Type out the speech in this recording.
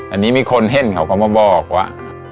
อันนี้มีคนเห็นเขาก็มาบอกว่า